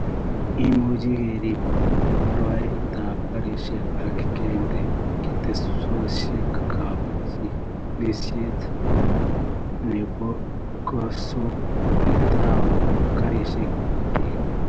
Imuch kerib rwaetab garisiek ak kende ketesyosiekab chigilisiet nebo kosubetab garisiekab bik